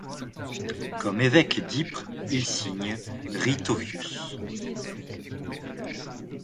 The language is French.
Comme évêque d'Ypres il signe 'Rithovius'.